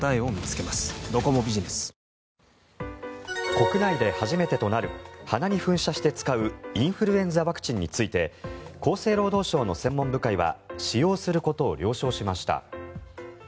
国内で初めてとなる鼻に噴射して使うインフルエンザワクチンについて厚生労働省の専門部会は使用することを了承しました。